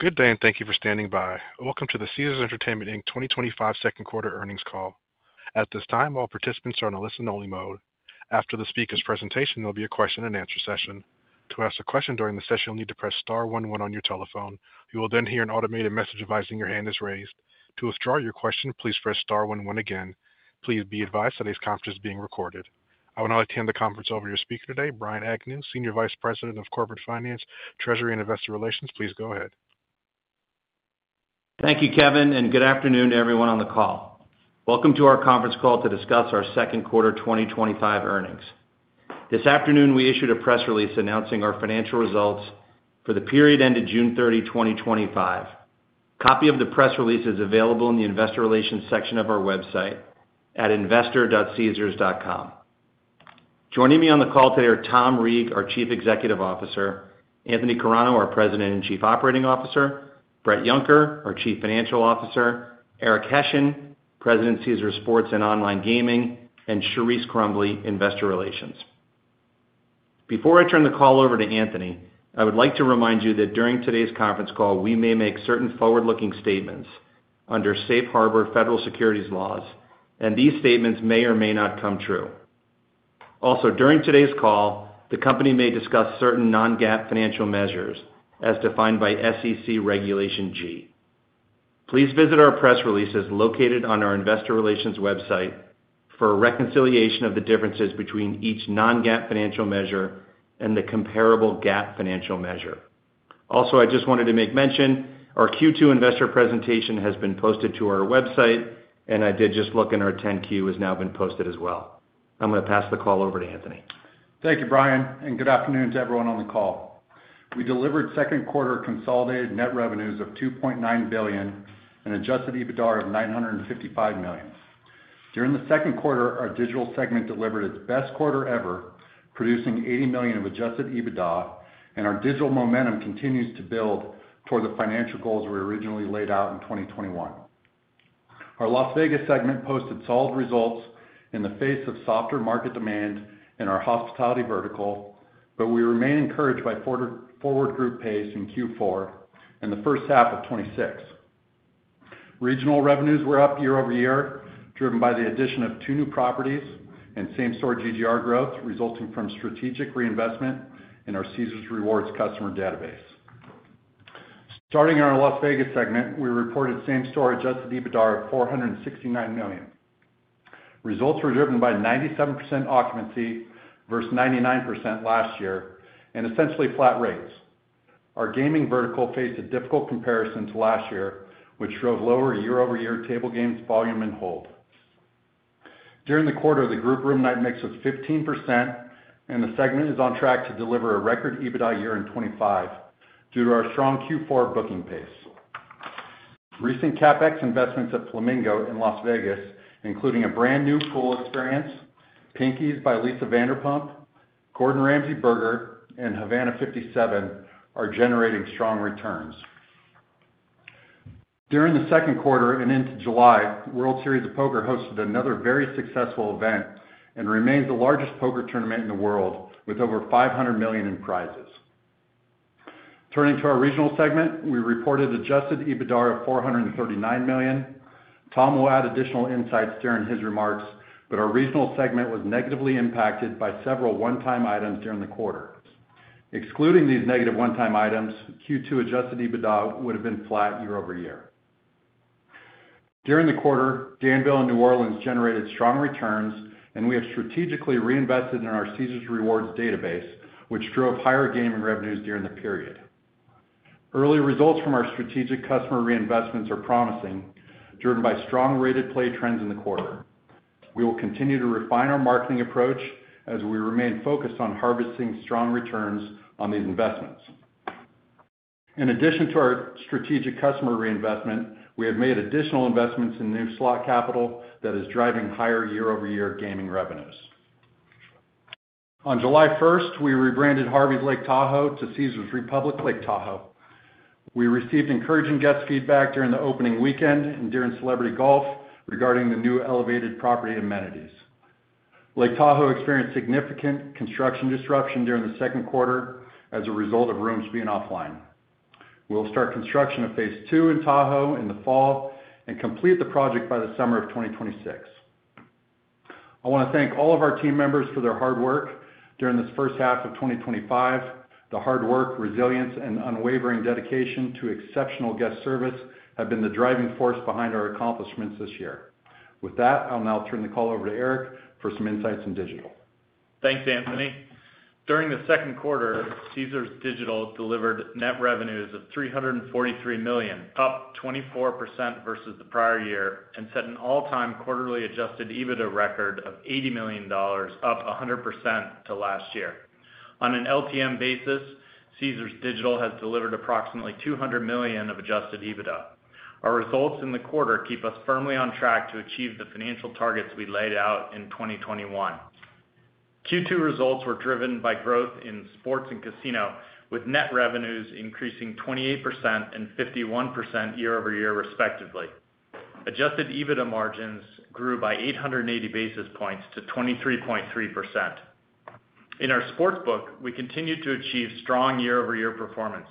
Good day and thank you for standing by. Welcome to the Caesars Entertainment 2025 second quarter earnings call. At this time, all participants are in a listen-only mode. After the speaker's presentation, there will be a question and answer session. To ask a question during the session, you'll need to press star one one on your telephone. You will then hear an automated message advising your hand is raised. To withdraw your question, please press star one one again. Please be advised today's conference is being recorded. I would like to hand the conference over to your speaker today, Brian Agnew, Senior Vice President of Corporate Finance, Treasury, and Investor Relations. Please go ahead. Thank you, Kevin. Good afternoon to everyone on the call. Welcome to our conference call to discuss our second quarter 2025 earnings. This afternoon we issued a press release announcing our financial results for the period ended June 30, 2025. A copy of the press release is available in the Investor Relations section of our website at investor.caesars.com. Joining me on the call today are Tom Reeg, our Chief Executive Officer, Anthony Carano, our President and Chief Operating Officer, Bret Yunker, our Chief Financial Officer, Eric Hession, President, Caesars Sports and Online Gaming, and Charise Crumbley, Investor Relations. Before I turn the call over to Anthony, I would like to remind you that during today's conference call we may make certain forward-looking statements under safe harbor federal securities laws and these statements may or may not come true. Also, during today's call, the company may discuss certain non-GAAP financial measures as defined by SEC Regulation G. Please visit our press releases located on our Investor Relations website for a reconciliation of the differences between each non-GAAP financial measure and the comparable GAAP financial measure. Also, I just wanted to make mention our Q2 investor presentation has been posted to our website and I did just look and our 10-Q has now been posted as well. I'm going to pass the call over to Anthony. Thank you, Brian. Good afternoon to everyone on the call. We delivered second quarter consolidated net revenues of $2.9 billion and adjusted EBITDA of $955 million. During the second quarter, our digital segment delivered its best quarter ever, producing $80 million of adjusted EBITDA. Our digital momentum continues to build globally toward the financial goals we originally laid out in 2021. Our Las Vegas segment posted solid results in the face of softer market demand in our hospitality vertical. We remain encouraged by forward group pace in Q4 and the first half of 2026. Regional revenues were up year-over-year, driven by the addition of two new properties and same-store GGR growth resulting from strategic reinvestment in our Caesars Rewards customer database. Starting in our Las Vegas segment, we reported same-store adjusted EBITDA of $469 million. Results were driven by 97% occupancy versus 99% last year and essentially flat rates. Our gaming vertical faced a difficult comparison to last year, which drove lower year-over-year table games, volume, and hold. During the quarter, the group room night mix was 15% and the segment is on track to deliver a record EBITDA year in 2025 due to our strong Q4 booking pace. Recent CapEx investments at Flamingo in Las Vegas, including a brand new pool experience, Pinky's by Lisa Vanderpump, Gordon Ramsay Burger, and Havana 1957, are generating strong returns during the second quarter and into July. World Series of Poker hosted another very successful event and remains the largest poker tournament in the world with over $500 million in prizes. Turning to our regional segment, we reported adjusted EBITDA of $439 million. Tom will add additional insights during his remarks, but our regional segment was negatively impacted by several one-time items during the quarter. Excluding these negative one-time items, Q2 adjusted EBITDA would have been flat year-over-year. During the quarter, Danville and New Orleans generated strong returns and we have strategically reinvested in our Caesars Rewards database, which drove higher gaming revenues during the period. Early results from our strategic customer reinvestments are promising, driven by strong rated play trends in the quarter. We will continue to refine our marketing approach as we remain focused on harvesting strong returns on these investments. In addition to our strategic customer reinvestment, we have made additional investments in new slot capital that is driving higher year-over-year gaming revenues. On July 1st, we rebranded Harveys Lake Tahoe to Caesars Republic Lake Tahoe. We received encouraging guest feedback during the opening weekend and during Celebrity Golf regarding the new elevated property amenities. Lake Tahoe experienced significant construction disruption during the second quarter as a result of rooms being offline. We will start construction of phase II in Tahoe in the fall and complete the project by the summer of 2026. I want to thank all of our team members for their hard work during this first half of 2025. The hard work, resilience, and unwavering dedication to exceptional guest service have been the driving force behind our accomplishments this year. With that, I'll now turn the call over to Eric for some insights in digital. Thanks, Anthony. During the second quarter, Caesars Digital delivered net revenues of $343 million, up 24% versus the prior year, and set an all-time quarterly adjusted EBITDA record of $80 million, up 100% to last year. On an LTM basis, Caesars Digital has delivered approximately $200 million of adjusted EBITDA. Our results in the quarter keep us firmly on track to achieve the financial targets we laid out in 2021. Q2 results were driven by growth in sports and casino with net revenues increasing 28% and 51% year-over-year, respectively. Adjusted EBITDA margins grew by 880 basis points to 23.3%. In our sportsbook, we continued to achieve strong year-over-year performance.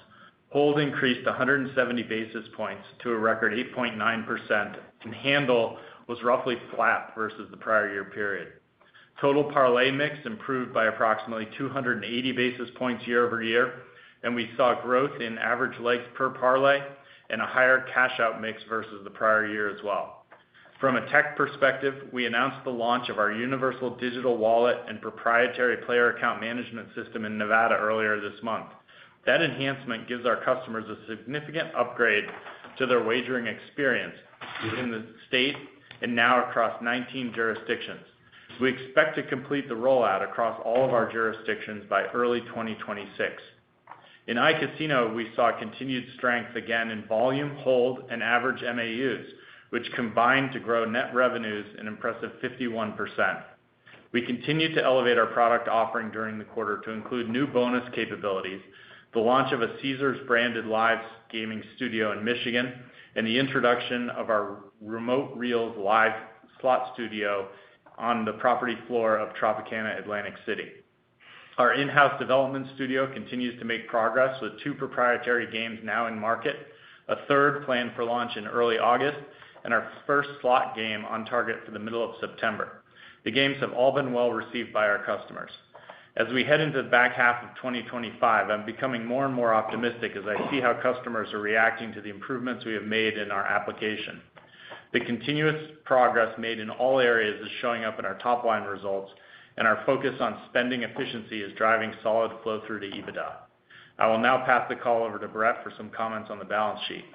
Hold increased 170 basis points to a record 8.9%. Handle was roughly flat versus the prior year period. Total parlay mix improved by approximately 280 basis points year-over-year, and we saw growth in average legs per parlay and a higher cash out mix versus the prior year as well. From a tech perspective, we announced the launch of our Universal Digital Wallet and proprietary player account management system in Nevada earlier this month. That enhancement gives our customers a significant upgrade to their wagering experience in the state and now across 19 jurisdictions. We expect to complete the rollout across all of our jurisdictions by early 2026. In iCasino, we saw continued strength again in volume, hold, and average MAUs, which combined to grow net revenues an impressive 51%. We continued to elevate our product offering during the quarter to include new bonus capabilities, the launch of a Caesars branded live gaming studio in Michigan, and the introduction of our Remote Reels live slot studio on the property floor of Tropicana Atlantic City. Our in-house development studio continues to make progress with two proprietary games now in market, a third planned for launch in early August, and our first slot game on target for the middle of September. The games have all been well received by our customers, and as we head into the back half of 2025, I'm becoming more and more optimistic as I see how customers are reacting to the improvements we have made in our application. The continuous progress made in all areas is showing up in our top line results, and our focus on spending efficiency is driving solid flow through to EBITDA. I will now pass the call over to Bret for some comments on the balance sheet.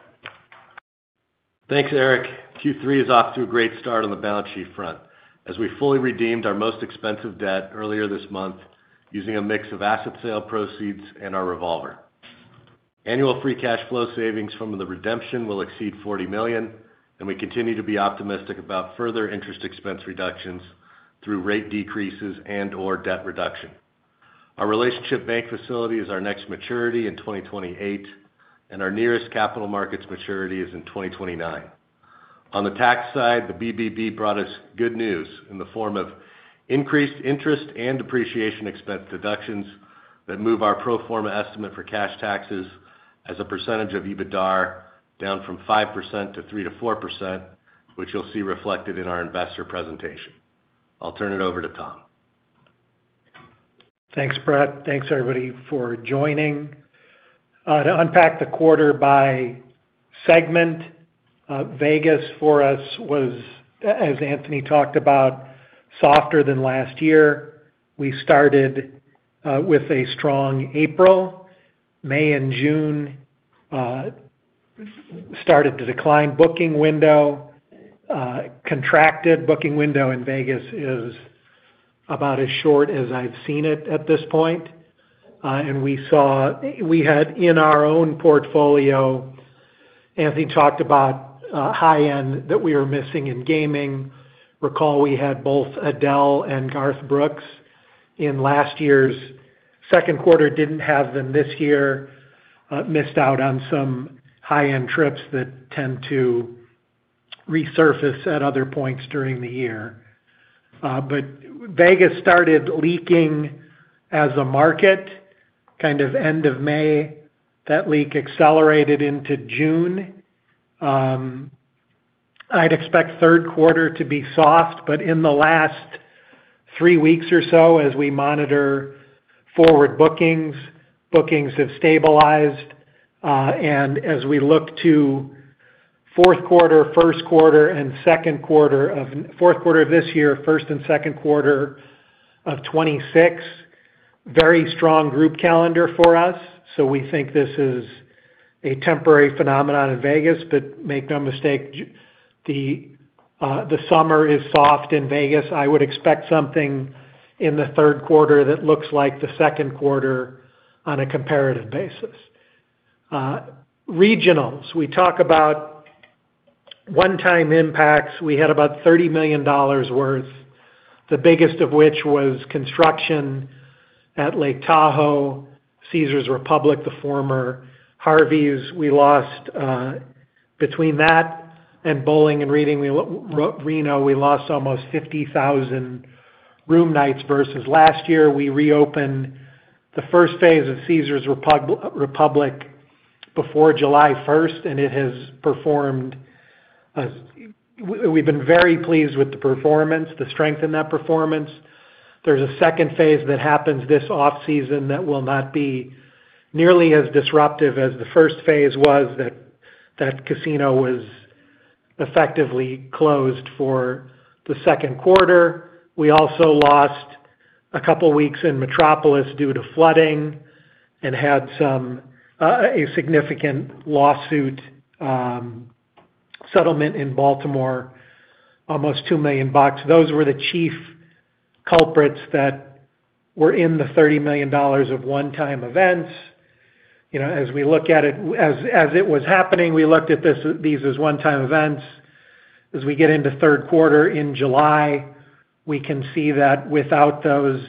Thanks Eric. Q3 is off to a great start on the balance sheet front as we fully redeemed our most expensive debt earlier this month using a mix of asset sale proceeds and our revolver. Annual free cash flow savings from the redemption will exceed $40 million and we continue to be optimistic about further interest expense reductions through rate decreases and/or debt reduction. Our relationship bank facility is our next maturity in 2028 and our nearest capital markets maturity is in 2029. On the tax side, the BBB brought us good news in the form of increased interest and depreciation expense deductions that move our pro forma estimate for cash taxes as a percentage of EBITDAR down from 5% to 3% to 4%, which you'll see reflected in our investor presentation. I'll turn it over to Tom. Thanks, Bret. Thanks, everybody, for joining to unpack the quarter by segment. Vegas for us was, as Anthony talked about, softer than last year. We started with a strong April. May and June started to decline. Booking window, contracted booking window in Vegas is about as short as I've seen it at this point, and we saw we had in our own portfolio. Anthony talked about high end that we were missing in gaming. Recall we had both Adele and Garth Brooks in last year's second quarter. Didn't have them this year. Missed out on some high end trips that tend to resurface at other points during the year. Vegas started leaking as a market kind of end of May. That leak accelerated into June. I'd expect third quarter to be soft, but in the last three weeks or so as we monitor forward bookings, bookings have stabilized, and as we look to fourth quarter, first quarter, and second quarter of fourth quarter of this year, first and second quarter of 2026, very strong group calendar for us. We think this is a temporary phenomenon in Vegas. Make no mistake, the summer is soft in Vegas. I would expect something in the third quarter that looks like the second quarter on a comparative basis. Regionals, we talk about one-time impacts. We had about $30 million worth, the biggest of which was construction at Lake Tahoe. Caesars Republic, the former Harvey's, we lost. Between that and bowling and Reading Reno, we lost almost 50,000 room nights versus last year. We reopened the first phase of Caesars Republic before July 1st and it has performed. We've been very pleased with the performance, the strength in that performance. There's a second phase that happens this off season that will not be nearly as disruptive as the first phase was. That casino was effectively closed for the second quarter. We also lost a couple weeks in Metropolis due to flooding and had a significant lawsuit settlement in Baltimore, almost $2 million. Those were the chief culprits that were in the $30 million of one-time events as we look at it as it was happening. We looked at these as one-time events as we get into third quarter in July. We can see that without those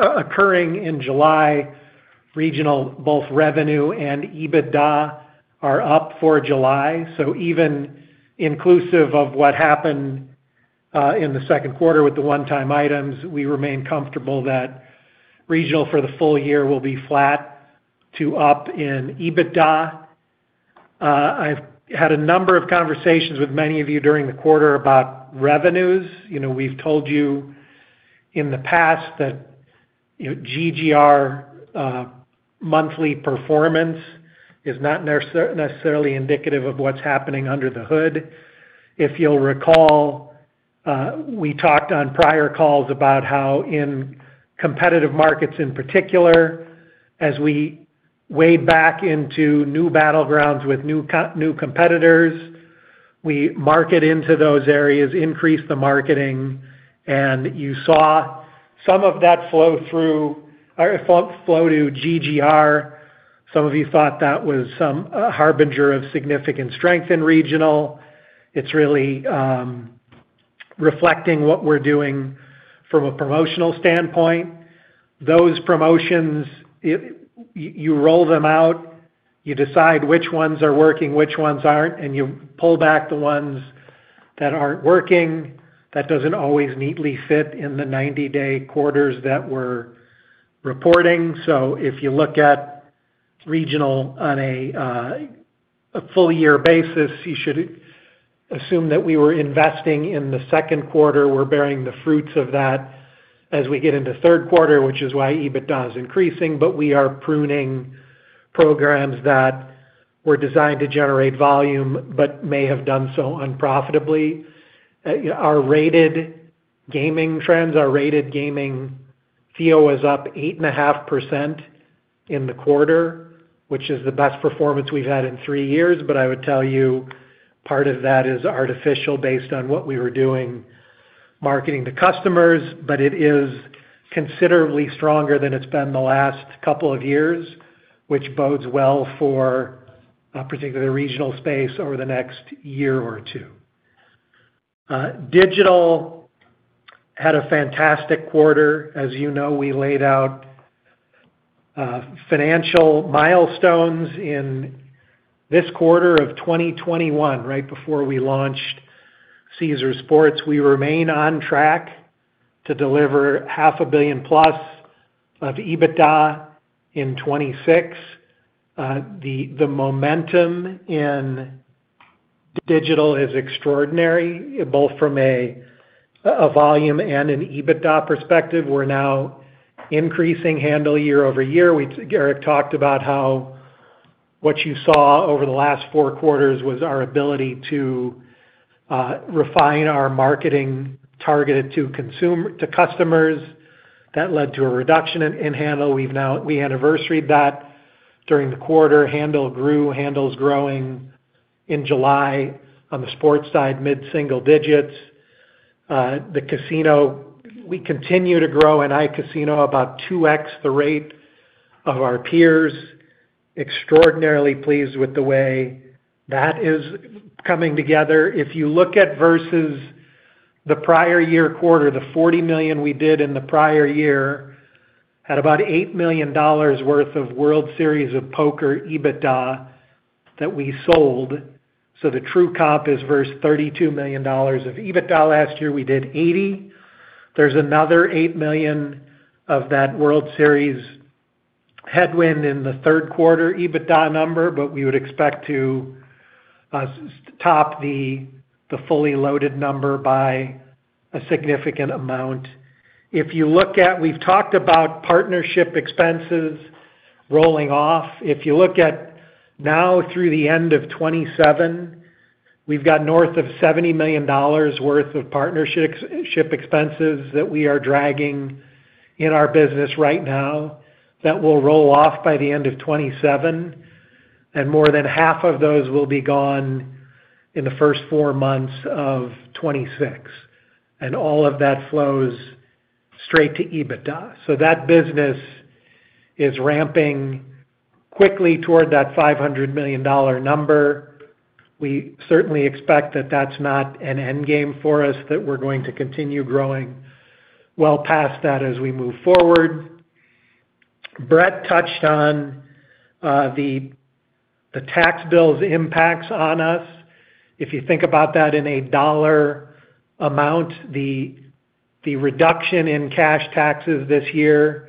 occurring in July, regional, both revenue and EBITDA are up for July. Even inclusive of what happened in the second quarter with the one-time items, we remain comfortable that regional for the full year will be flat to up in EBITDA. I've had a number of conversations with many of you during the quarter about revenues. We've told you in the past that GGR monthly performance is not necessarily indicative of what's happening under the hood. If you'll recall, we talked on prior calls about how in competitive markets in particular, as we wade back into new battlegrounds with new competitors, we market into those areas, increase the marketing, and you saw some of that flow to GGR. Some of you thought that was a harbinger of significant strength in regional. It's really reflecting what we're doing from a promotional standpoint. Those promotions, you roll them out, you decide which ones are working, which ones aren't, and you pull back the ones that aren't working. That doesn't always neatly fit in the 90-day quarters that we're reporting. If you look at regional on a full-year basis, you should assume that we were investing in the second quarter. We're bearing the fruits of that as we get into third quarter, which is why EBITDA is increasing. We are pruning programs that were designed to generate volume but may have done so unprofitably. Our rated gaming trends, our rated gaming FIO is up 8.5% in the quarter, which is the best performance we've had in three years. I would tell you part of that is artificial based on what we were doing marketing to customers. It is considerably stronger than it's been the last couple of years, which bodes well for particular regional space over the next year or two. Digital had a fantastic quarter. As you know, we laid out financial milestones in this quarter of 2021 right before we launched Caesars Sports. We remain on track to deliver $500,000+ of EBITDA in 2026. The momentum in digital is extraordinary both from a volume and an EBITDA perspective. We're now increasing handle year-over-year. Eric talked about how what you saw over the last four quarters was our ability to refine our marketing targeted to customers. That led to a reduction in handle. We anniversaried that during the quarter. Handle grew. Handle's growing in July. On the sports side, mid single digits. The casino, we continue to grow iCasino about 2x the rate of our peers. Extraordinarily pleased with the way that is coming together. If you look at versus the prior year quarter, the $40 million we did in the prior year at about $8 million worth of World Series of Poker EBITDA that we sold. The true comp is versus $32 million of EBITDA. Last year we did $80 million. There's another $8 million of that World Series headwind in the third quarter EBITDA number, but we would expect to top the fully loaded number by a significant amount. If you look at, we've talked about partnership expenses rolling off. If you look at now through the end of 2027, we've got north of $70 million worth of partnership expenses that we are dragging in our business right now that will roll off by the end of 2027 and more than half of those will be gone in the first four months of 2026. All of that flows straight to EBITDA. That business is ramping quickly toward that $500 million number. We certainly expect that that's not an end game for us, that we're going to continue growing well past that as we move forward. Bret touched on the tax bill's impacts on us. If you think about that in a dollar amount, the reduction in cash taxes this year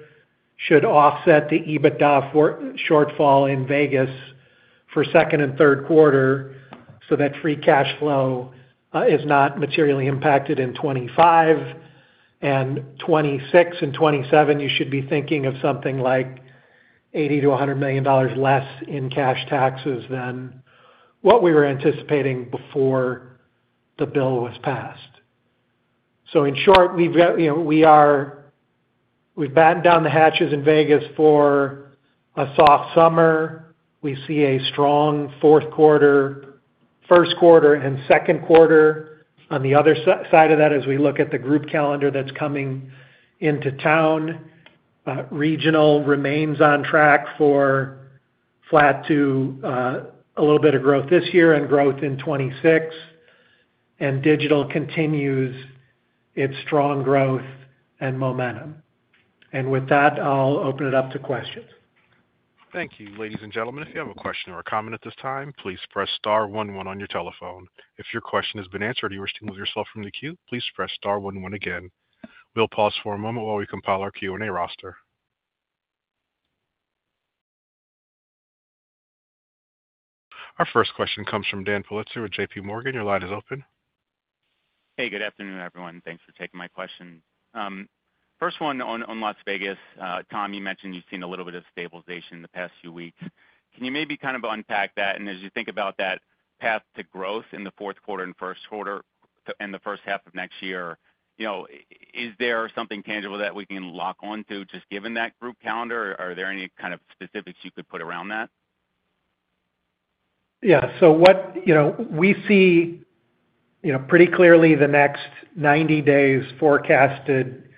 should offset the EBITDA shortfall in Vegas for second and third quarter so that free cash flow is not materially impacted in 2025 and 2026 and 2027. You should be thinking of something like $80 million-$100 million less in cash taxes than what we were anticipating before the bill was passed. In short, we've battened down the hatches in Las Vegas for a soft summer. We see a strong fourth quarter, first quarter and second quarter. On the other side of that, as we look at the group calendar that's coming into town, Regional remains on track for flat to a little bit of growth this year and growth in 2026. Digital continues its strong growth and momentum. With that, I'll open it up to questions. Thank you, ladies and gentlemen. If you have a question or a comment at this time, please press star one one on your telephone. If your question has been answered, you wish to move yourself from the queue, please press star one one. Again, we'll pause for a moment while we compile our Q&A roster. Our first question comes from Dan Pulitzer with JPMorgan. Your line is open. Hey, good afternoon, everyone. Thanks for taking my question. First one on Las Vegas. Tom, you mentioned you've seen a little bit of stabilization in the past few weeks. Can you maybe kind of unpack that. As you think about that path to growth in the fourth quarter and first quarter and the first half of next year, is there something tangible that we can lock onto just given that group calendar. Are there any kind of specifics you could put around that? Yeah. What we see pretty clearly, the next 90 days forecasted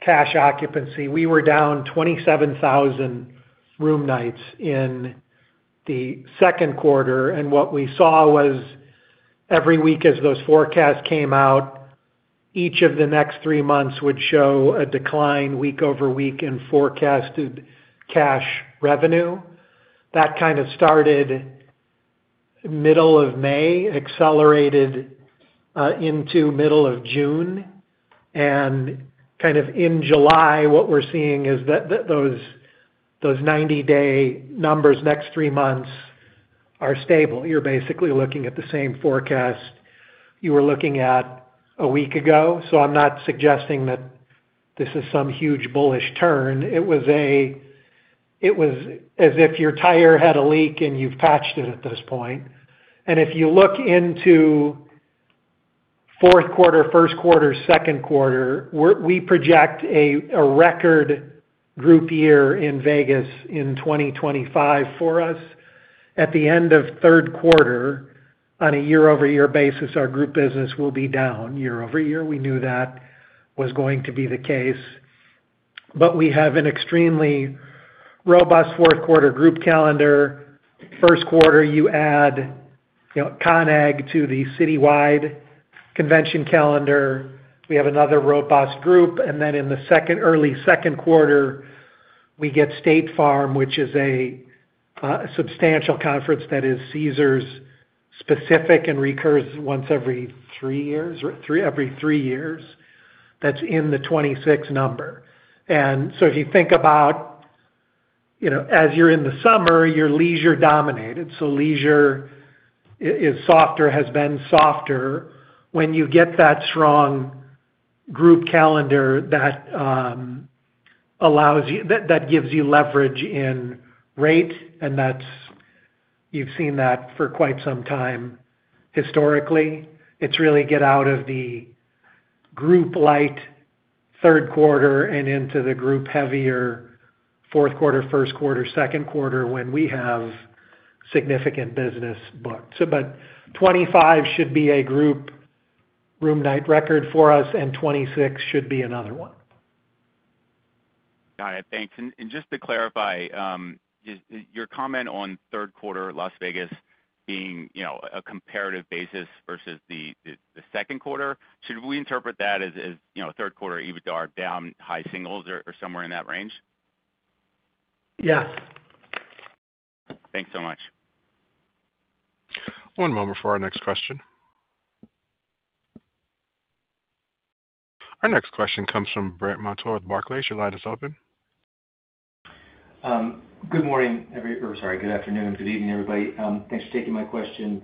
cash occupancy. We were down 27,000 room nights in the second quarter. What we saw was every week as those forecasts came out, each of the next three months would show a decline week over week in forecasted cash revenue. That kind of started middle of May, accelerated into middle of June and kind of in July. What we're seeing is that those 90 day numbers, next three months, are stable. You're basically looking at the same forecast you were looking at a week ago. I'm not suggesting that this is some huge bullish turn. It was as if your tire had a leak and you've patched it at this point. If you look into fourth quarter, first quarter, second quarter, we project a record group year in Las Vegas in 2025 for us. At the end of third quarter on a year-over-year basis, our group business will be down year-over-year. We knew that was going to be the case. We have an extremely robust fourth quarter group calendar. First quarter, you add ConAg to the citywide convention calendar, we have another robust group. In the early second quarter, we get State Farm, which is a substantial conference that is Caesars specific and recurs once every three years. Every three years, that's in the 2026 number. If you think about as you're in the summer, you're leisure dominated. Leisure is softer, has been softer. When you get that strong group calendar, that gives you leverage in rate. You've seen that for quite some time historically. It's really get out of the group light third quarter and into the group heavier fourth quarter, first quarter, second quarter when we have significant business booked. 2025 should be a group room night record for us and 2026 should be another one. Got it, thanks. Just to clarify your comment on third quarter Las Vegas being a comparative basis versus the second quarter, should we interpret that as third quarter EBITDA down high singles or somewhere in that range? Yes. Thanks so much. One moment for our next question. Our next question comes from Brandt Montour with Barclays. Your line is open. Good morning, everyone. Sorry. Good afternoon. Good evening everybody. Thanks for taking my question.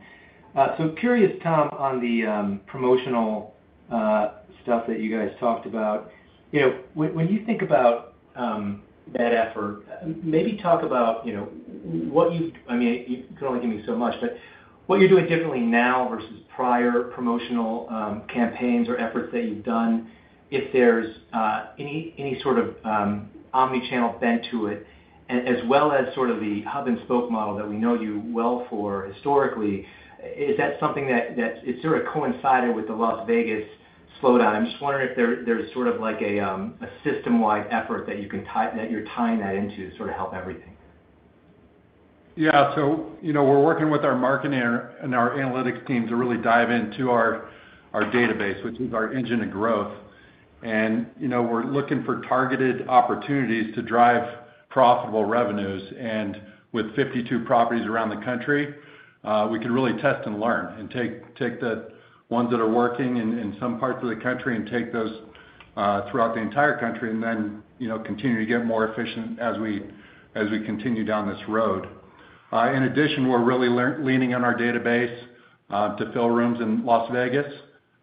Tom, on the promotional stuff that you guys talked about, when you think about that effort, maybe talk about what you've, I mean. You can only give me so much. What you're doing differently now versus. Prior promotional campaigns or efforts that you've done, if there's any sort of omnichannel bent to it, as well as sort. Of the hub and spoke model. We know you well for historically. Is that something that sort of coincided with the Las Vegas slowdown? I'm just wondering if there's sort of like a system-wide effort that you can tie that, you're tying that into to help everything. Yeah. We're working with our marketing and our analytics team to really dive into our database, which is our engine of growth. We're looking for targeted opportunities to drive profitable revenues. With 52 properties around the country, we can really test and learn and take the ones that are working in some parts of the country and take those throughout the entire country, and then continue to get more efficient as we continue down this road. In addition, we're really leaning on our database to fill rooms in Las Vegas.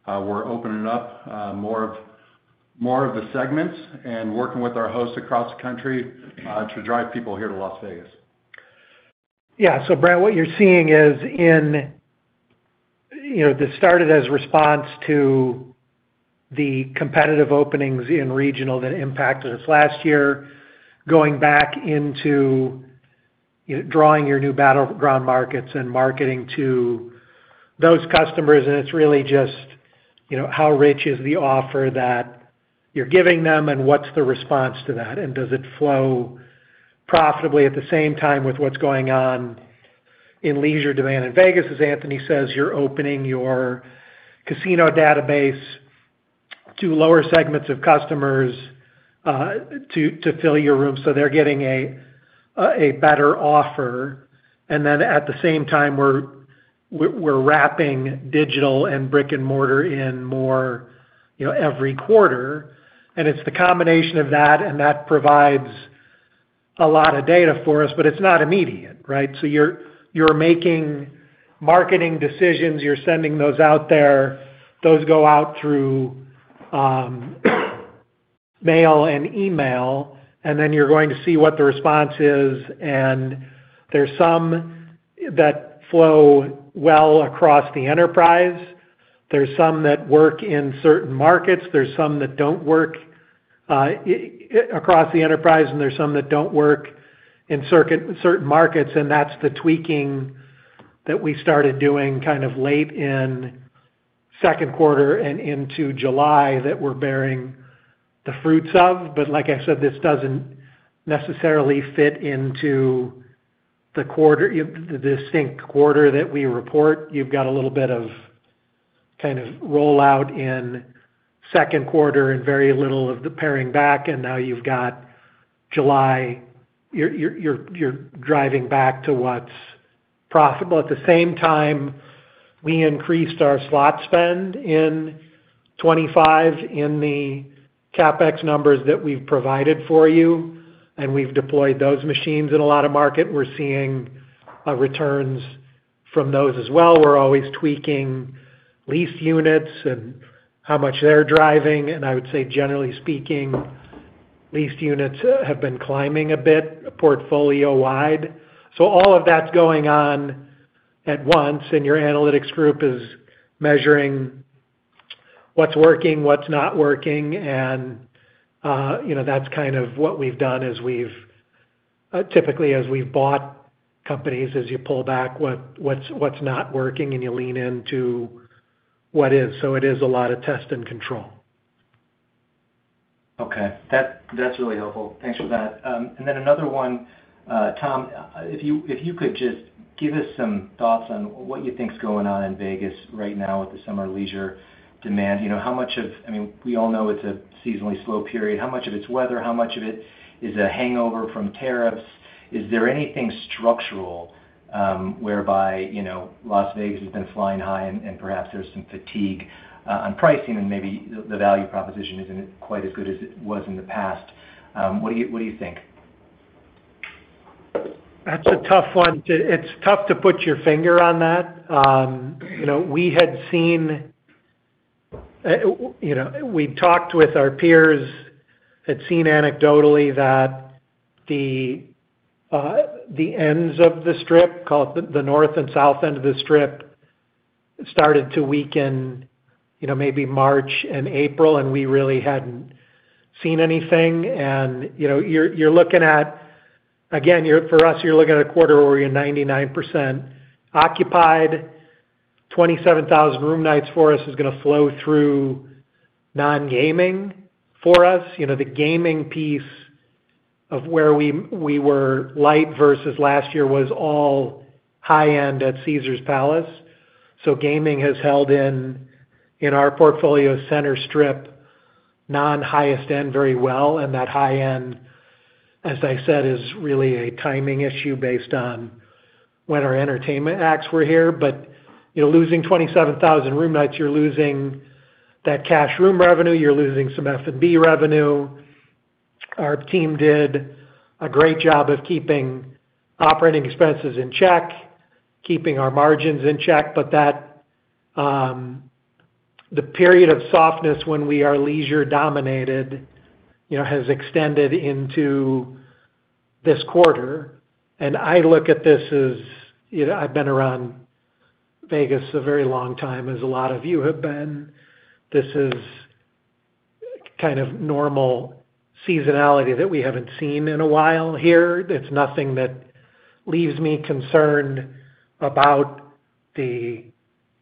We're opening up more of the segments and working with our hosts across the country to drive people here to Las Vegas. Yeah. Brad, what you're seeing is this started as a response to the competitive openings in regional that impacted us last year. Going back into drawing your new battleground markets and marketing to those customers, it's really just how rich is the offer that you're giving them and what's the response to that, and does it flow profitably at the same time with what's going on in leisure demand in Las Vegas? As Anthony says, you're opening your casino database to lower segments of customers to fill your room, so they're getting a better offer. At the same time, we're wrapping digital and brick and mortar in more every quarter. It's the combination of that, and that provides a lot of data for us, but it's not immediate. Right. You're making marketing decisions, you're sending those out there, those go out through mail and email, and then you're going to see what the response is. There are some that flow well across the enterprise, some that work in certain markets, some that don't work across the enterprise, and some that don't work in certain markets. That's the tweaking that we started doing kind of late in second quarter and into July that we're bearing the fruits of, but like I said, this doesn't necessarily fit into the distinct quarter that we report. You've got a little bit of kind of rollout in second quarter and very little of the paring back. Now you've got July, you're driving back to what's profitable. At the same time, we increased our slot spend in 2025 in the CapEx numbers that we've provided for you, and we've deployed those machines in a lot of markets. We're seeing returns from those as well. We're always tweaking leased units and how much they're driving. I would say generally speaking, leased units have been climbing a bit portfolio wide. All of that's going on at once, and your analytics group is measuring what's working, what's not working. That's kind of what we've done as we've typically, as we've bought companies, as you pull back what's not working and you lean into what is. It is a lot of test and control. Okay, that's really helpful. Thanks for that. Another one. Tom, if you could just give us. Some thoughts on what you think is going on in Las Vegas right now with the summer leisure demand. How much of, I mean. We all know it's a seasonally slow period. How much of it's weather, how? Much of it is a hangover from tariffs. Is there anything structural whereby, you know, Las Vegas has been flying high? Perhaps there's some fatigue on pricing. Maybe the value proposition isn't quite as. Good as it was in the past. What do you think? That's a tough one. It's tough to put your finger on that. We had seen, we talked with our peers, had seen anecdotally that the ends of the Strip, call it the north and south end of the Strip, started to weaken, maybe March and April and we really hadn't seen anything. You're looking at again for us, you're looking at a quarter where you're 99% occupied. 27,000 room nights for us is going to flow through non-gaming for us. The gaming piece of where we were light versus last year was all high end at Caesars Palace. Gaming has held in in our portfolio center Strip, non-highest end very well. That high end, as I said, is really a timing issue based on when our entertainment acts were here. Losing 27,000 room nights, you're losing that cash room revenue, you're losing some F&B revenue. Our team did a great job of keeping operating expenses in check, keeping our margins in check, but the period of softness when we are leisure dominated has extended into this quarter. I look at this as I've been around Vegas a very long time, as a lot of you have been. This is kind of normal seasonality that we haven't seen in a while here. It's nothing that leaves me concerned about the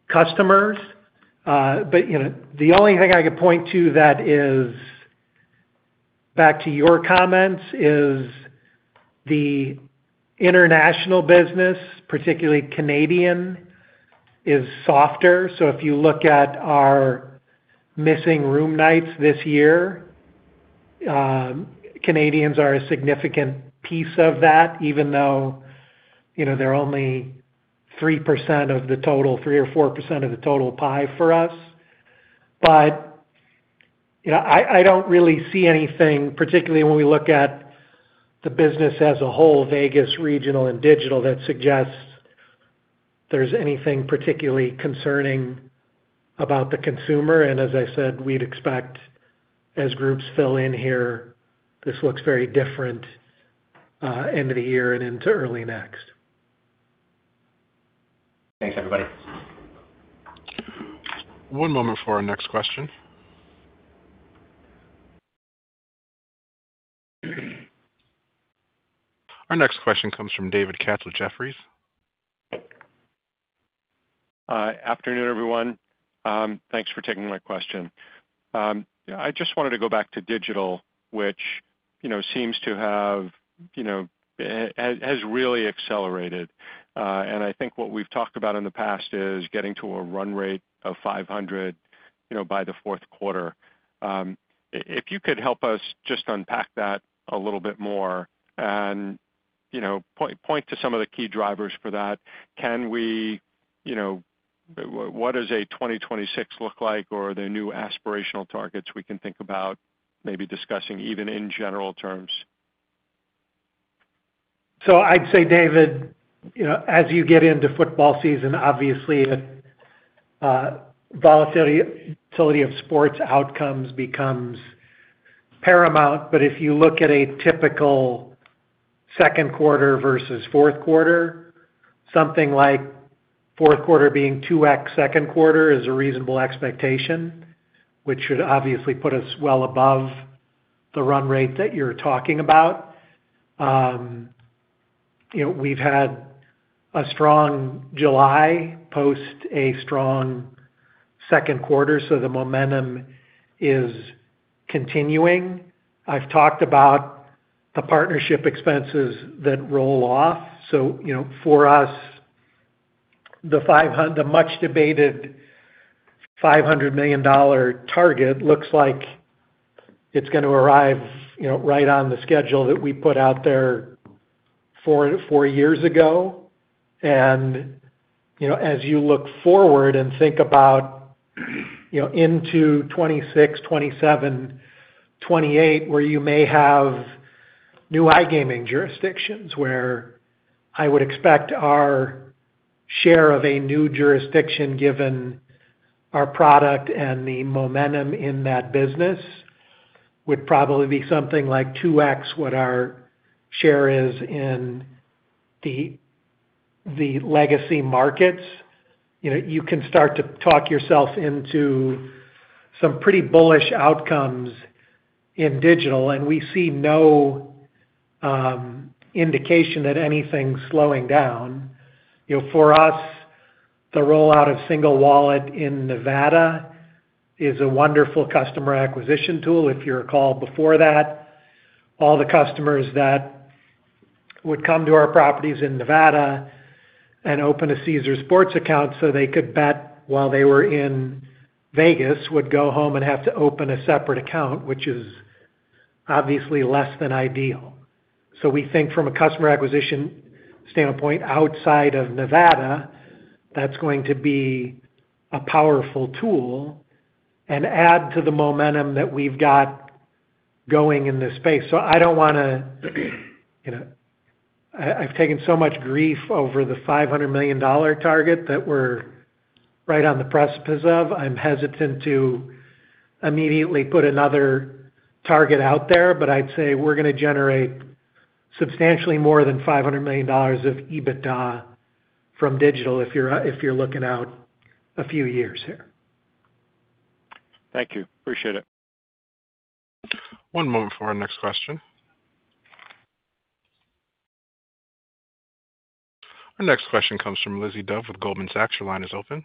customers. The only thing I could point to that is back to your comments, is the international business, particularly Canadian, is softer. If you look at our missing room nights this year, Canadians are a significant piece of that, even though they're only 3% of the total, 3% or 4% of the total pie for us. I don't really see anything, particularly when we look at the business as a whole, Vegas, regional and digital, that suggests there's anything particularly concerning about the consumer. As I said, we'd expect as groups fill in here, this looks very different end of the year and into early next. Thanks, everybody. One moment for our next question. Our next question comes from David Katz with Jefferies. Afternoon, everyone. Thanks for taking my question. I just wanted to go back to digital, which seems to have really accelerated. I think what we've talked about in the past is getting to a run rate of $500 million by the fourth quarter. If you could help us just unpack that a little bit more and point to some of the key drivers for that. What does 2026 look like or the new aspirational targets we can think about maybe discussing, even in general terms. I'd say, David, as you get into football season, obviously volatility of sports outcomes becomes paramount. If you look at a typical second quarter versus fourth quarter, something like fourth quarter being 2x second quarter is a reasonable expectation, which should obviously put us well above the run rate that you're talking about. We've had a strong July post, a strong second quarter, so the momentum is continuing. I've talked about the partnership expenses that roll off. For us, the much debated $500 million target looks like it's going to arrive right on the schedule that we put out there four years ago. As you look forward and think about into 2026, 2027, 2028, where you may have new iGaming jurisdictions, where I would expect our share of a new jurisdiction, given our product and the momentum in that business, would probably be something like 2x what our share is in the legacy markets. You can start to talk yourself into some pretty bullish outcomes in digital. We see no indication that anything's slowing down for us. The rollout of Single Wallet in Nevada is a wonderful customer acquisition tool. If you recall before that, all the customers that would come to our properties in Nevada and open a Caesars Sports account so they could bet while they were in Las Vegas would go home and have to open a separate account, which is obviously less than ideal. We think from a customer acquisition standpoint outside of Nevada, that's going to be a powerful tool and add to the momentum that we've got going in this space. I don't want to. I've taken so much grief over the $500 million target that we're right on the precipice of. I'm hesitant to immediately put another target out there, but I'd say we're going to generate substantially more than $500 million of EBITDA from digital if you're looking out a few years here. Thank you. Appreciate it. One moment for our next question. Our next question comes from Lizzie Dove with Goldman Sachs. Your line is open.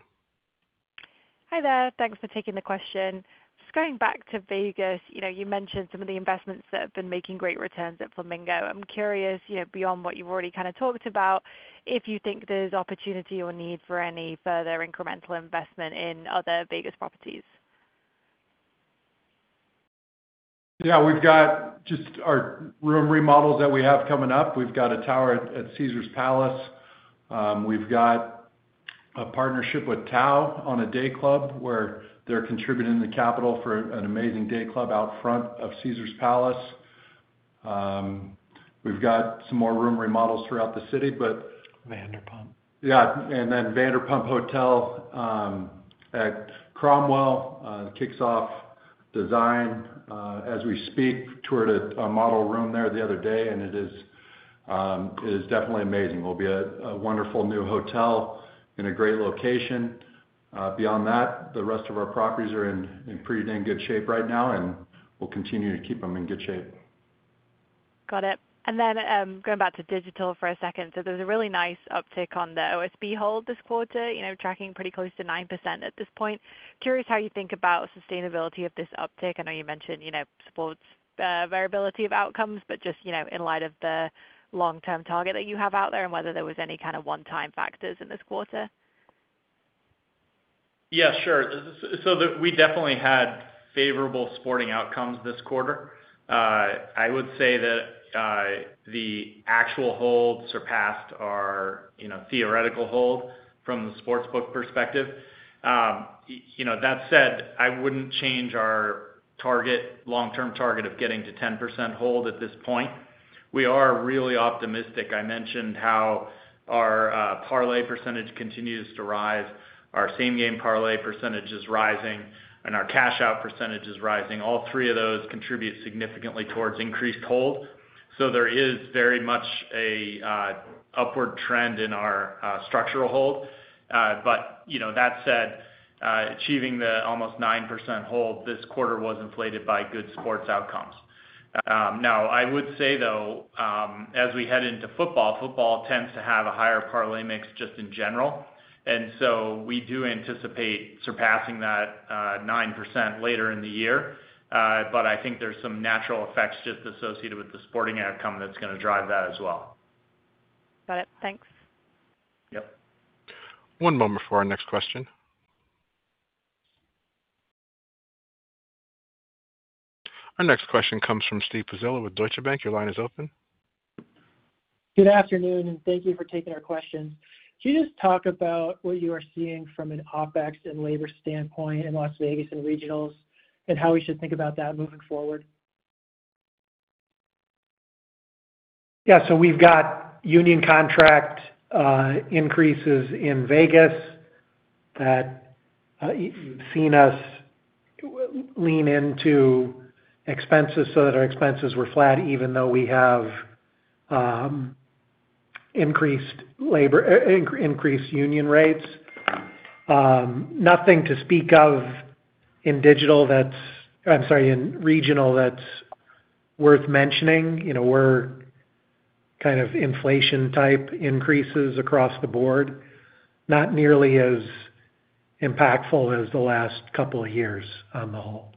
Hi there. Thanks for taking the question. Just going back to Vegas, you mentioned some of the investments that have been making great returns at Flamingo. I'm curious beyond what you've already talked about, if you think there's opportunity or need for any further incremental investment in other Vegas properties. Yeah, we've got just our room remodels that we have coming up. We've got a tower at Caesars Palace. We've got a partnership with Tao on a day club where they're contributing the capital for an amazing day club out front of Caesars Palace. We've got some more room remodels throughout the city, but Vanderpump. Yeah. Vanderpump Hotel at Cromwell kicks off design as we speak. Toured a model room there the other day and it is definitely amazing. Will be a wonderful new hotel in a great location. Beyond that, the rest of our properties are in pretty dang good shape right now and we'll continue to keep them in good shape. Got it. Going back to digital for a second, there's a really nice uptick on the OSB hold this quarter tracking pretty close to 9% at this point. Curious how you think about sustainability of this uptake. I know you mentioned sports variability of outcomes, but just in light of the long term target that you have out there and whether there was any kind of one time factors in this quarter. Yeah, sure. We definitely had favorable sporting outcomes this quarter. I would say that the actual hold surpassed our, you know, theoretical hold from the sportsbook perspective. That said, I wouldn't change our long-term target of getting to 10% hold at this point. We are really optimistic. I mentioned how our parlay percentage continues to rise. Our same game parlay percentage is rising and our cash out percentage is rising. All three of those contribute significantly towards increased hold. There is very much an upward trend in our structural hold. That said, achieving the almost 9% hold this quarter was inflated by good sports outcomes. I would say though, as we head into football, football tends to have a higher parlay mix just in general. We do anticipate surpassing that 9% later in the year. I think there's some natural effects just associated with the sporting outcome that's going to drive that as well. Got it. Thanks. One moment for our next question. Our next question comes from Steve Pizzella with Deutsche Bank. Your line is open. Good afternoon and thank you for taking our questions. Can you just talk about what you are seeing from an OpEx and labor standpoint in Las Vegas and regionals and how we should think about that moving? Yeah, we've got union contract increases in Vegas that have seen us lean into expenses so that our expenses were flat even though we have increased labor, increased union rates. Nothing to speak of in digital. In regional, that's worth mentioning. We're kind of inflation type increases across the board, not nearly as impactful as the last couple of years on the whole.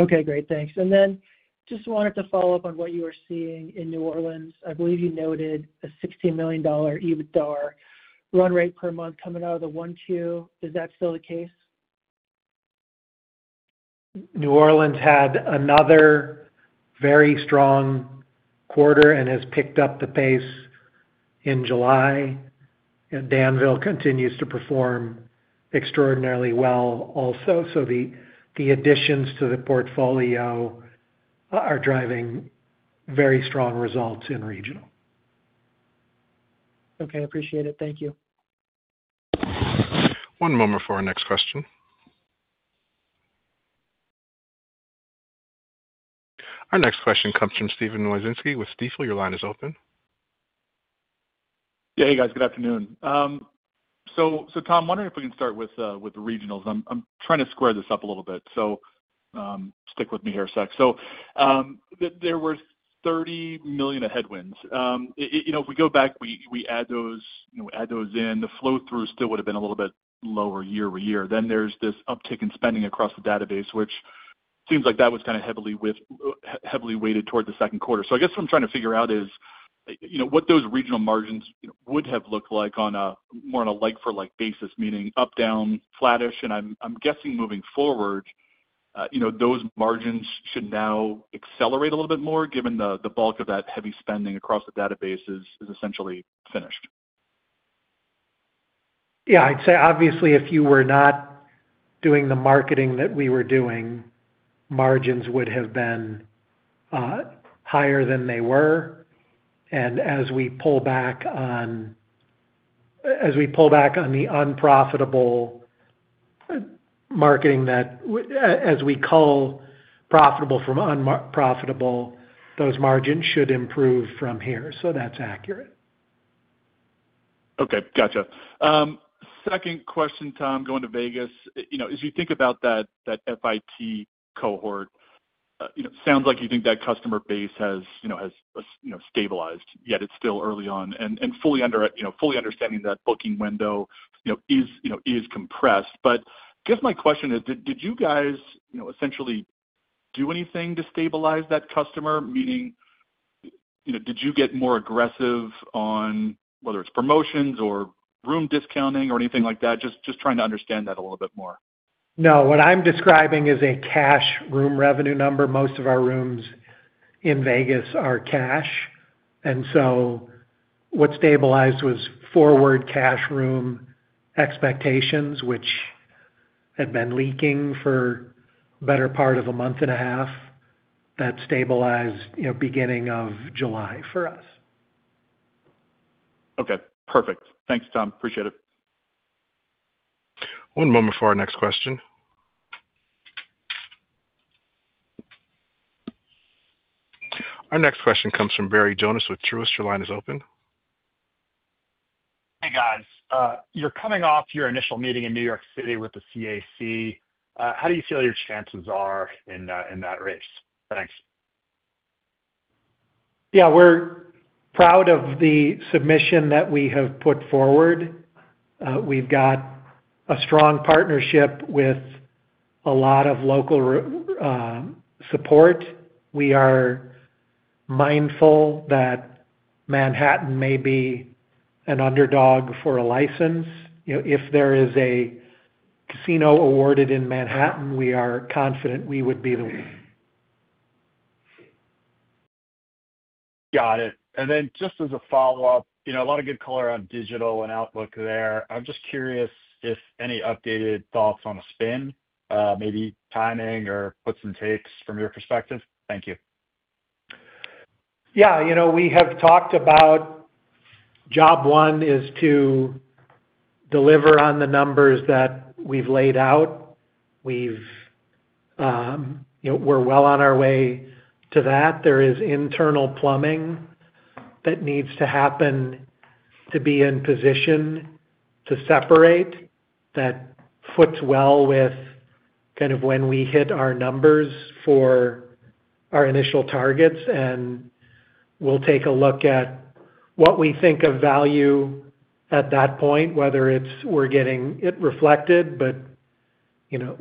Okay, great, thanks. I just wanted to follow up on what you were seeing in New Orleans. I believe you noted a $16 million EBITDAR run rate per month coming out of the first quarter. Is that still the case? New Orleans had another very strong quarter and has picked up the pace in July. Danville continues to perform extraordinarily well also. The additions to the portfolio are driving very strong results in regional. Okay, appreciate it. Thank you. One moment for our next question. Our next question comes from Steven Rubis with Stifel. Your line is open. Yeah. Hey guys. Good afternoon. Tom, wondering if we can start with regionals. I'm trying to square this up a little bit, so stick with me here a sec. There were $30 million of headwinds. If we go back, we add those in, the flow through still would have been a little bit lower year-over-year. There's this uptick in spending across the database, which seems like that was heavily weighted toward the second quarter. I guess what I'm trying to figure out is what those regional margins would have looked like more on a like-for-like basis, meaning up, down, flattish. I'm guessing moving forward, those margins should now accelerate a little bit more given the bulk of that heavy spending across the database is essentially finished. Yeah, I'd say, obviously, if you were not doing the marketing that we were doing, margins would have been higher than they were. As we pull back on the unprofitable marketing, as we cull profitable from unprofitable, those margins should improve from here. That's accurate. Okay, gotcha. Second question, Tom. Going to Vegas. As you think about that fit cohort, sounds like you think that customer base has stabilized yet. It's still early on and fully understanding that booking window is compressed. I guess my question is, did you guys essentially do anything to stabilize that customer? Meaning did you get more aggressive on whether it's promotions or room discounting or anything like that? Just trying to understand that a little bit more. No, what I'm describing is a cash room revenue number. Most of our rooms in Las Vegas are cash. What stabilized was forward cash room expectations, which had been leaking for the better part of a month and a half. That stabilized, you know, beginning of July for us. Okay, perfect. Thanks, Tom. Appreciate it. One moment for our next question. Our next question comes from Barry Jonas with Truist. Your line is open. Hey, guys, you're coming off your initial meeting in New York City with the CAC. How do you feel your chances are in that race? Thanks. Yeah, we're proud of the submission that we have put forward. We've got a strong partnership with a lot of local support. We are mindful that Manhattan may be an underdog for a license. If there is a casino awarded in Manhattan, we are confident we would be the one. Got it. Just as a follow up, a lot of good color on digital and outlook there. I'm just curious if any updated thoughts on the spin, maybe timing or puts and takes from your perspective? Thank you. Yeah, you know, we have talked about job one is to deliver on the numbers that we've laid out. We're well on our way to that. There is internal plumbing that needs to happen to be in position to separate that. With kind of when we hit our numbers for our initial targets, we'll take a look at what we think of value at that point, whether it's we're getting it reflected.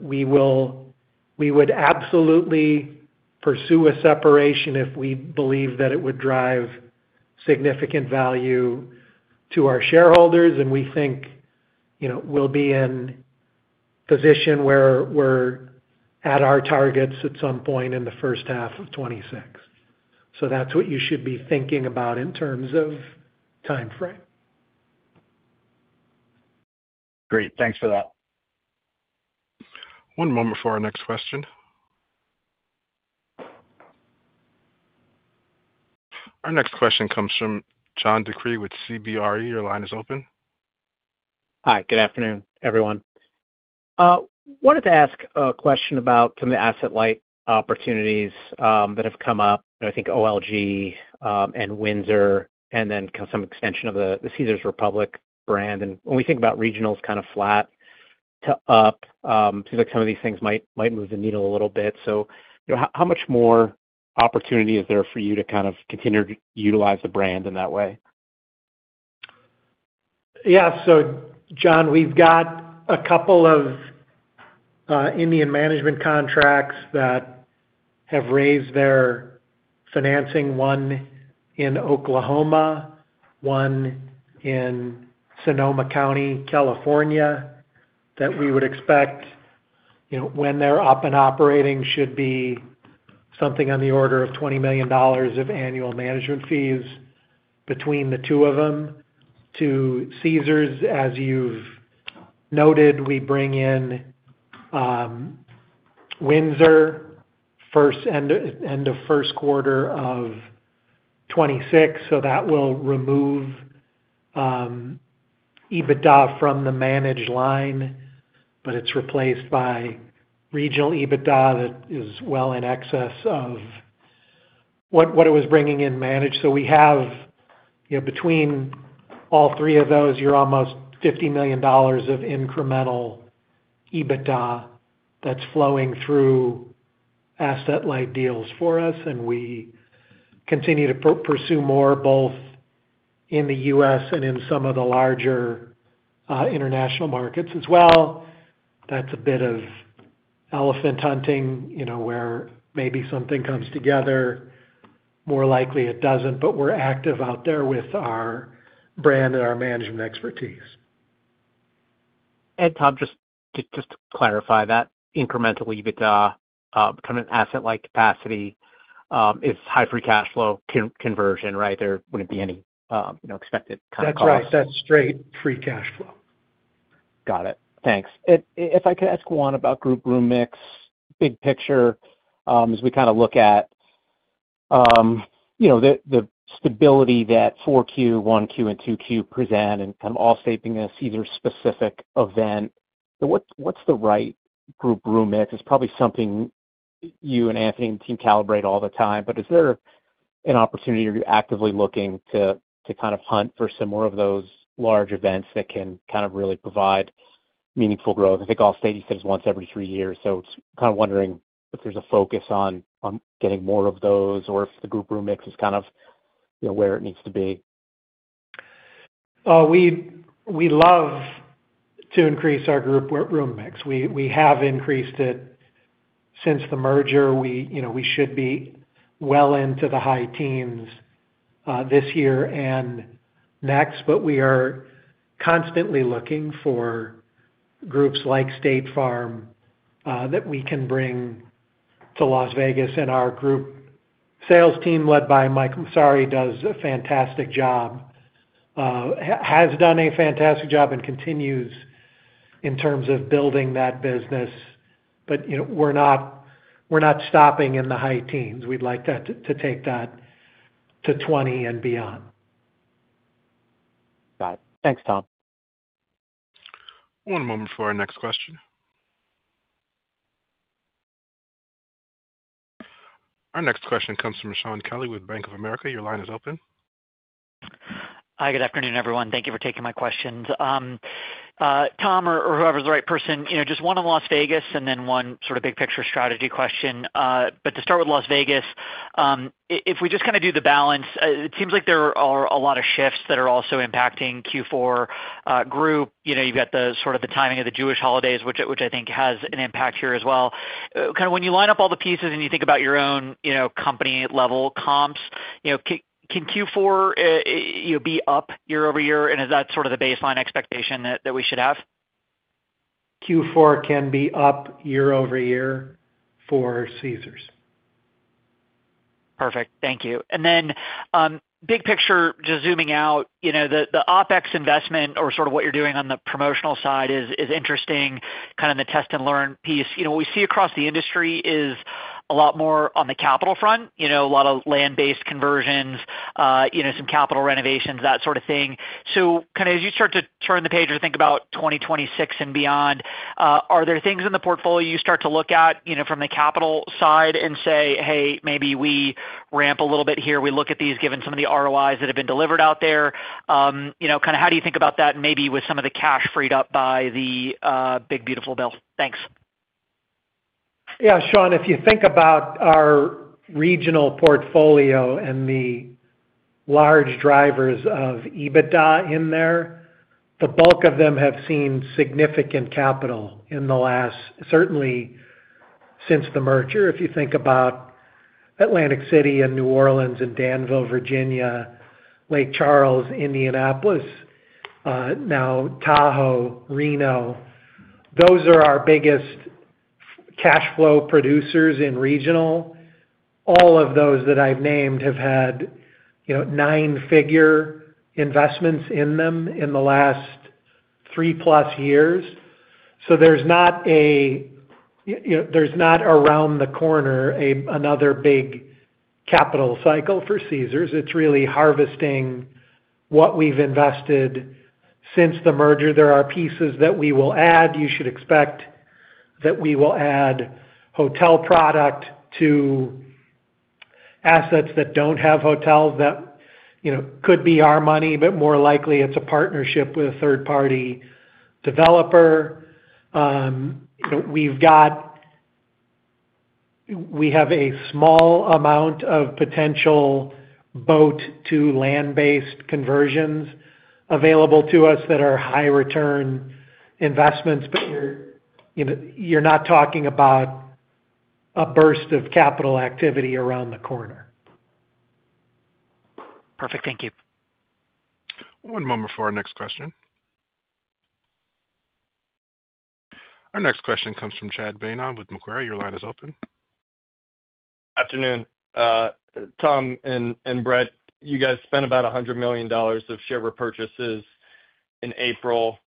We would absolutely pursue a separation if we believe that it would drive significant value to our shareholders. We think we'll be in position where we're at our targets at some point in the first half of 2026. That's what you should be thinking about in terms of time frame. Great, thanks for that. One moment for our next question. Our next question comes from John DeCree with CBRE. Your line is open. Hi, good afternoon everyone. Wanted to ask a question about some of the asset-light opportunities that have come up. I think OLG and Windsor and then. Some extension of the Caesars Republic brand. When we think about regionals, kind of flat to up. Seems like some of these things might move the needle a little bit. How much more opportunity is there for you to kind of continue to utilize the brand in that way? Yeah, so John, we've got a couple of Indian management contracts that have raised their financing. One in Oklahoma, one in Sonoma County, California that we would expect. When they're up and operating, should be something on the order of $20 million of annual management fees between the two of them to Caesars. As you've noted, we bring in Windsor end of first quarter. That will remove EBITDA from the managed line, but it's replaced by regional EBITDA that is well in excess of what it was bringing in managed. We have between all three of those, you're almost $50 million of incremental EBITDA that's flowing through asset-light deals for us. We continue to pursue more both in the U.S. and in some of the larger international markets as well. That's a bit of elephant hunting, you know, where maybe something comes together. More likely it doesn't. We are active out there with our brand and our management expertise. Thanks, Tom, just to clarify, that incremental EBITDA kind of an asset-light capacity. Is high free cash flow conversion, right. There wouldn't be any expected. That's right. That's straight free cash flow. Got it, thanks. If I could ask Juan about group room mix. Big picture, as we kind of look at the stability that 4Q, 1Q, and 2Q present and kind of off shaping us either specific event. What's the right group room mix? It's probably something you and Anthony and the team calibrate all the time, but is there an opportunity? Are you actively looking to kind of? Hunt for some more of those large. Events that can kind of really provide meaningful growth? I think Allstate is once every three years. Kind of wondering if there's a focus on getting more of those or if the group room mix is kind of where it needs to be? We love to increase our group room mix. We have increased it since the merger. We should be well into the high teens this year and next. We are constantly looking for groups like State Farm that we can bring to Las Vegas. Our group sales team led by Mike Massari does a fantastic job, has done a fantastic job, and continues in terms of building that business. We are not stopping in the high teens. We'd like to take that to 20% and beyond. Got it. Thanks, Tom. One moment for our next question. Our next question comes from Shaun Kelley with Bank of America. Your line is open. Hi, good afternoon everyone. Thank you for taking my questions, Tom, or whoever is the right person. Just one in Las Vegas and then one sort of big picture strategy question. To start with Las Vegas, if we just kind of do the balance, it seems like there are a lot of shifts that are also impacting Q4 group. You've got the timing of the Jewish holidays, which I think has an impact here as well. When you line up all the pieces and you think about your own company level comps, can Q4 be up year-over-year? Is that the baseline expectation that we should have? Q4 can be up year-over-year for Caesars. Perfect. Thank you. Big picture, just zooming out. The OpEx investment or what you're doing on the promotional side is interesting. Kind of the test and learn piece. What we see across the industry is a lot more on the capital front. A lot of land-based conversions, some capital renovations, that sort of thing. As you start to turn the page or think about 2026 and beyond, are there things in the portfolio you start to look at from the capital side and say, hey, maybe we ramp a little bit here. We look at these. Given some of the ROIs that have been delivered out there, how do you think about that? Maybe with some of the cash freed up by the big beautiful bill. Thanks. Yeah, Sean, if you think about our regional portfolio and the large drivers of EBITDA in there, the bulk of them have seen significant capital in the last, certainly since the merger. If you think about Atlantic City, New Orleans, Danville, Virginia, Lake Charles, Indianapolis, now Tahoe, Reno, those are our biggest cash flow producers in regional. All of those that I've named have had nine-figure investments in them in the last 3+ years. There's not around the corner another big capital cycle for Caesars. It's really harvesting what we've invested since the merger. There are pieces that we will add. You should expect that we will add hotel product to assets that don't have hotels. That could be our money, but more likely it's a partnership with a third-party developer. We have a small amount of potential boat-to-land-based conversions available to us that are high-return investments. You're not talking about a burst of capital activity around the corner. Perfect, thank you. One moment for our next question. Our next question comes from Chad Beynon with Macquarie. Your line is open. Afternoon. Tom and Bret, you guys spent about $100 million of share repurchases in April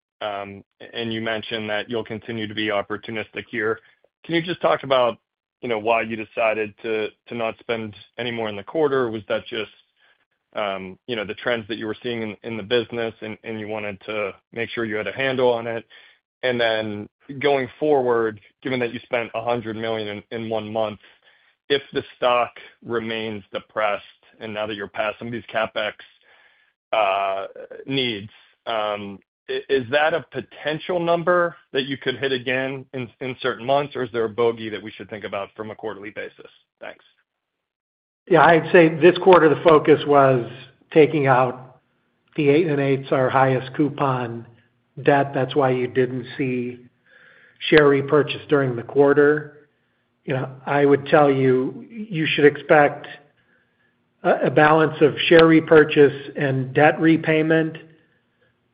and you mentioned that you'll continue to be opportunistic here. Can you just talk about why you decided to not spend any more in the quarter? Was that just the trends that you were seeing in the business and you wanted to make sure you had a handle on it? Then going forward, given that you spent $100 million in one month, if the stock remains depressed and now that you're past some of these CapEx needs, is that a potential number that you could hit again in certain months or is there a bogey that we should think about from a quarterly basis? Thanks. I'd say this quarter the focus was taking out the 8 and 8 is our highest coupon debt. That's why you didn't see share repurchase during the quarter. I would tell you you should expect a balance of share repurchase and debt repayment.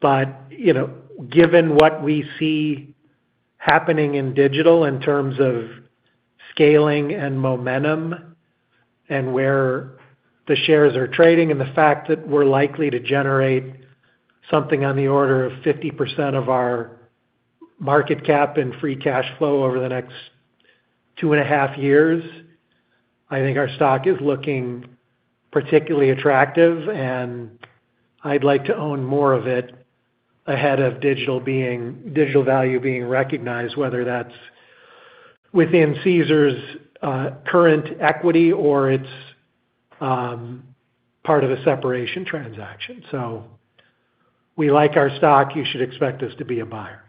Given what we see happening in digital in terms of scaling and momentum and where the shares are trading, and the fact that we're likely to generate something on the order of 50% of our market cap in free cash flow over the next two and a half years, I think our stock is looking particularly attractive and I'd like to own more of it ahead of digital value being recognized, whether that's within Caesars' current equity or it's part of a separation transaction. We like our stock. You should expect us to be a buyer.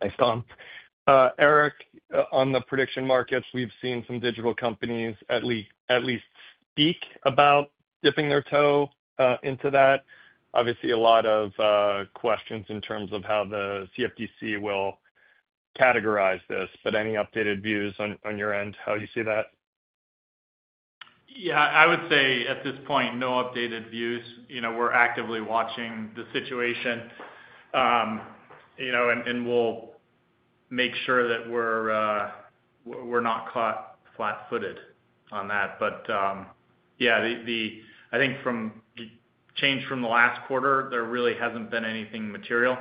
Thanks, Tom. Eric, on the prediction markets, we've seen some digital companies at least speak about. Dipping their toe into that. Obviously, a lot of questions in terms of how the CFTC will categorize this, but any updated views on your end, how you see that? Yeah, I would say at this point, no updated views. We're actively watching the situation, and we'll make sure that we're not caught flat footed on that. I think from change from the last quarter, there really hasn't been anything material.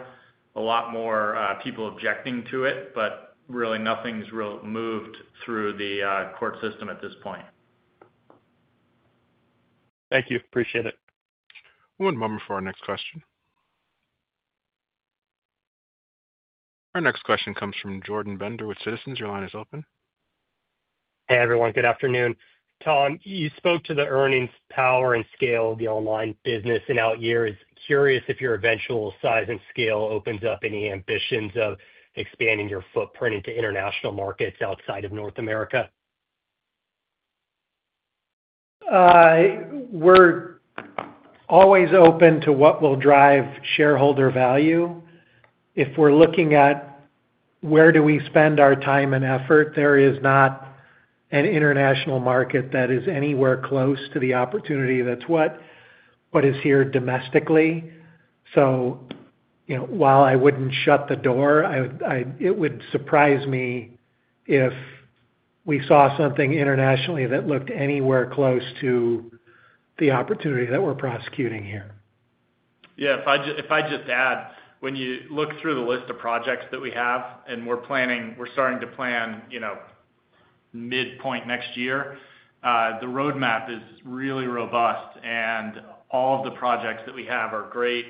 A lot more people objecting to it, but really nothing's moved through the court system at this point. Thank you. Appreciate it. One moment for our next question. Our next question comes from Jordan Bender with Citizens. Your line is open. Hey everyone. Good afternoon, Tom. You spoke to the earnings power. Scale of the online business in out years. Curious if your eventual size and scale opens up any ambitions of expanding your footprint into international markets outside of North America. We're always open to what will drive shareholder value. If we're looking at where do we spend our time and effort, there is not an international market that is anywhere close to the opportunity that is here domestically. While I wouldn't shut the door, it would surprise me if we saw something internationally that looked anywhere close to the opportunity that we're prosecuting here. Yeah, if I just add, when you look through the list of projects that we have and we're starting to plan midpoint next year, the roadmap is really robust and all of the projects that we have are great.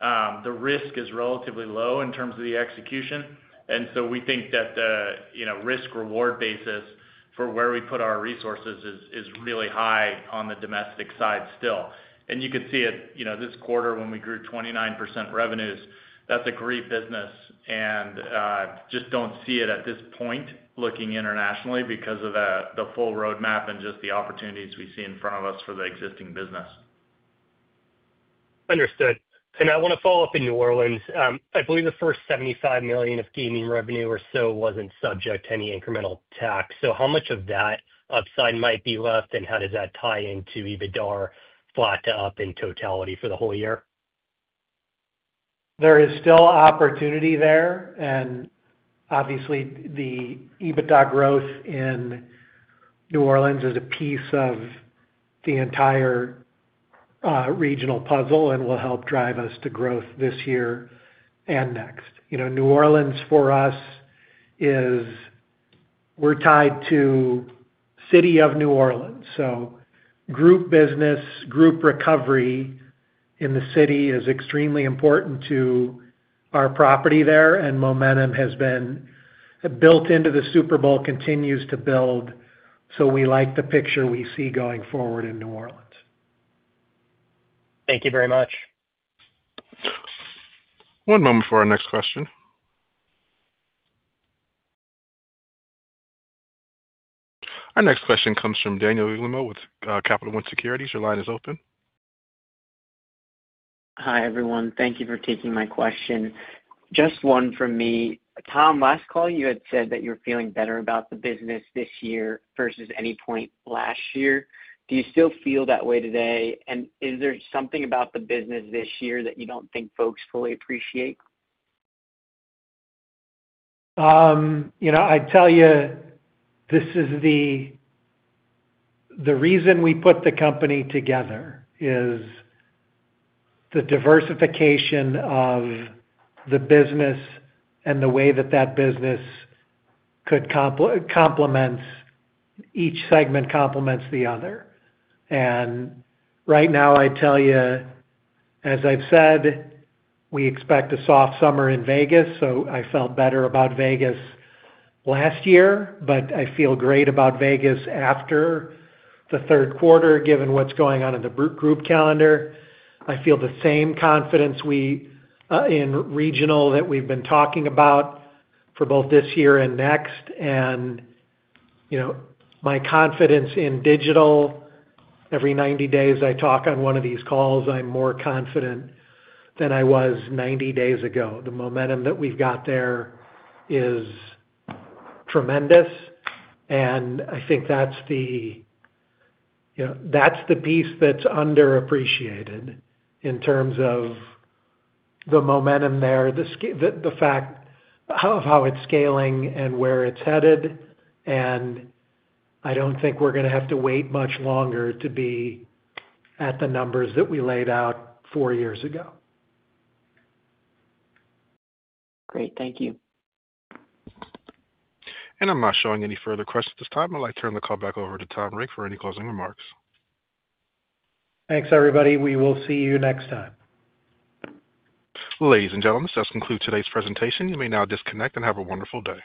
The risk is relatively low in terms of the execution. We think that the risk reward basis for where we put our resources is really high on the domestic side still. You can see it this quarter when we grew 29% revenues. That's a great business. I just don't see it at this point looking internationally because of the full roadmap and just the opportunities we see in front of us for the existing business. Understood. I want to follow up in New Orleans. I believe the first $75 million of gaming revenue or so wasn't subject to any incremental tax. How much of that upside might be left and how does that tie into EBITDAR flat to up in totality for the whole year? There is still opportunity there. Obviously, the EBITDA growth in New Orleans is a piece of the entire regional puzzle and will help drive us to growth this year and next. New Orleans for us is we're tied to the city of New Orleans, so group business group recovery in the city is extremely important to our property there. Momentum has been built into the Super Bowl and continues to build. We like the picture we see going forward in New Orleans. Thank you very much. One moment for our next question. Our next question comes from Daniel Guglielmo with Capital One Securities. Your line is open. Hi everyone. Thank you for taking my question. Just one from me. Tom, last call. You had said that you're feeling better. About the business this year versus any point last year. Do you still feel that way today? Is there something about the business this year that you don't think folks fully appreciate? I tell you, the reason we put the company together is the diversification of the business and the way that business complements each segment, complements the other. Right now, as I've said, we expect a soft summer in Las Vegas. I felt better about Las Vegas last year, but I feel great about Las Vegas after the third quarter, given what's going on in the group calendar. I feel the same confidence in regional that we've been talking about for both this year and next, and my confidence in digital. Every 90 days I talk on one of these calls, I'm more confident than I was 90 days ago. The momentum that we've got there is tremendous. I think that's the piece that's underappreciated in terms of the momentum there, the fact of how it's scaling and where it's headed. I don't think we're going to have to wait much longer to be at the numbers that we laid out four years ago. Great. Thank you. I'm not showing any further questions at this time. I'd like to turn the call back over to Tom Reeg for any closing remarks. Thanks, everybody. We will see you next time. Ladies and gentlemen, this does conclude today's presentation. You may now disconnect and have a wonderful day.